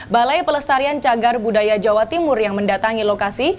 balai pelestarian cagar budaya jawa timur yang mendatangi lokasi